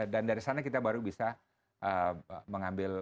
dan dari sana kita baru bisa mengambil sikap